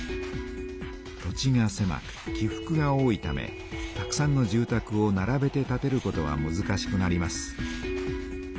土地がせまく起ふくが多いためたくさんの住たくをならべて建てることはむずかしくなります。